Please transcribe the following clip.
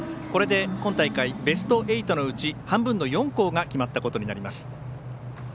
これで今大会ベスト８のうち半分の４校が決まったことになります。